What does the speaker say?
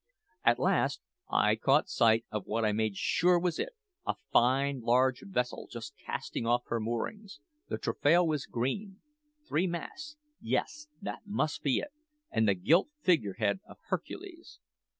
At last I caught sight of what I made sure was it a fine large vessel just casting off her moorings. The taffrail was green. Three masts yes, that must be it and the gilt figurehead of Hercules.